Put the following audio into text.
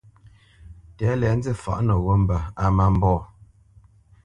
Tɛ̌lɛ nzî fǎʼ nǒ mbə̄ á má mbɔ̂.